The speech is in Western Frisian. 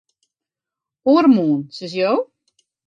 Oaremoarn, sizze jo?